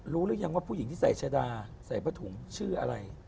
หรือยังว่าผู้หญิงที่ใส่ชะดาใส่ผ้าถุงชื่ออะไร